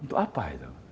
untuk apa itu